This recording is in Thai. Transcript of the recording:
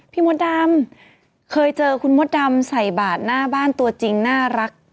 มดดำเคยเจอคุณมดดำใส่บาทหน้าบ้านตัวจริงน่ารัก